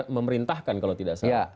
memerintahkan kalau tidak salah